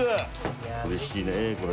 うれしいねこれ。